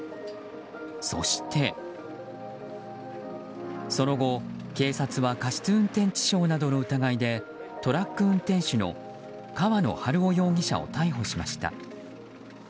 そしてその後、警察は過失運転致傷などの疑いでトラック運転手の川野晴夫容疑者を逮捕しました。